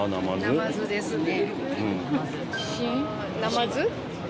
ナマズですね。